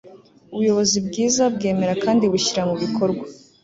ubuyobozi bwiza bwemera kandi bushyira mu bikorwa